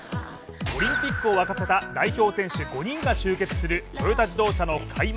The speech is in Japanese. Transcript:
オリンピックを沸かせた代表選手５人が集結する、トヨタ自動車の開幕